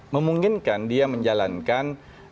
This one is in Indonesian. memungkinkan dia menjalankan